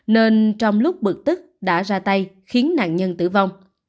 nên trong lúc bực tức đã ra tay khiến nạn nhân tử vong